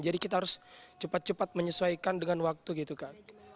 jadi kita harus cepat cepat menyesuaikan dengan waktu gitu kan